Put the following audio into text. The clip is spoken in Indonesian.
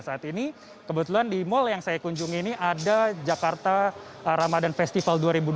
saat ini kebetulan di mal yang saya kunjungi ini ada jakarta ramadan festival dua ribu dua puluh